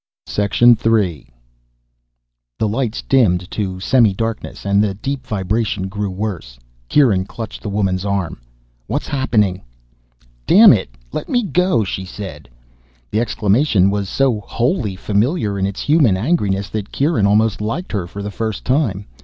3. The lights dimmed to semi darkness, and the deep vibration grew worse. Kieran clutched the woman's arm. "What's happening?" "Damn it, let me go!" she said. The exclamation was so wholly familiar in its human angriness that Kieran almost liked her, for the first time.